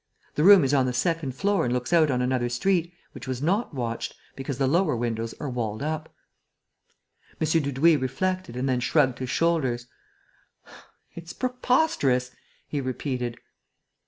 The room is on the second floor and looks out on another street, which was not watched, because the lower windows are walled up." M. Dudouis reflected and then shrugged his shoulders: "It's preposterous!" he repeated.